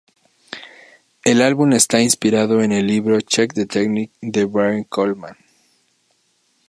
El álbum está inspirado en el libro "Check the Technique" de Brian Coleman.